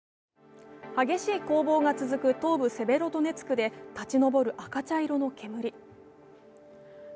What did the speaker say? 激しい攻防が続く東部セベロドネツクで立ち上る赤茶色の煙。